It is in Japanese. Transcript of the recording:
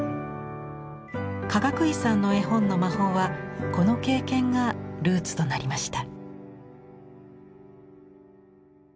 かがくいさんの絵本の魔法はこの経験がルーツとなりました。